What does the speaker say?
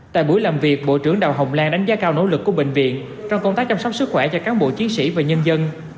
tại buổi làm việc bộ trưởng đào hồng lan đánh giá cao nỗ lực của bệnh viện trong công tác chăm sóc sức khỏe cho cán bộ chiến sĩ và nhân dân